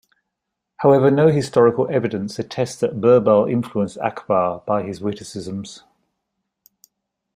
However, no historical evidence attests that Birbal influenced Akbar by his witticisms.